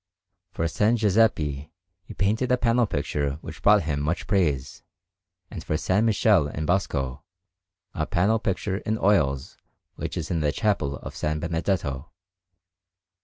For S. Giuseppe he painted a panel picture which brought him much praise, and, for S. Michele in Bosco, the panel picture in oils which is in the Chapel of S. Benedetto.